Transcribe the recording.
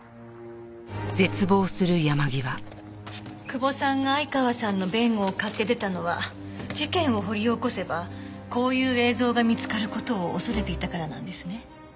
久保さんが相川さんの弁護を買って出たのは事件を掘り起こせばこういう映像が見つかる事を恐れていたからなんですね。